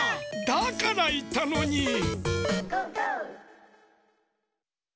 だからいったのに！